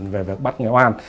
về bắt người oan